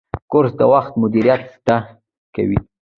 کورس د وخت مدیریت زده کوي.